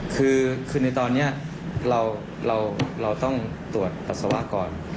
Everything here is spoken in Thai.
คือตอนนี้เราต้องตรวจภาษาความตอน